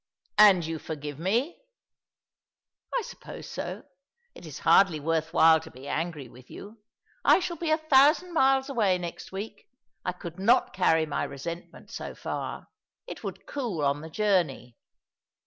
" And you forgive me ?"" I suppose so. It is bardly worth while to be angry with you. I shall be a thousand miles away next week. I could not carry my resentment so far. It would cool on tbe journey."